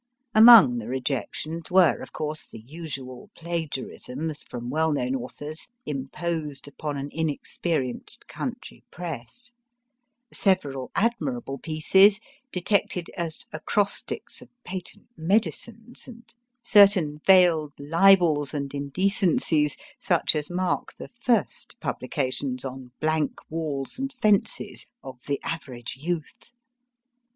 Among the rejections were, of course, the usual plagiarisms from well known authors imposed upon an inexperienced country Press ; several admirable pieces detected as acrostics of patent medicines, and certain veiled libels and indecencies such as mark the first publi cations on blank walls and fences of the average youth.